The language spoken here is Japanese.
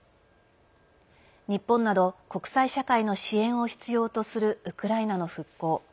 日本など、国際社会の支援を必要とするウクライナの復興。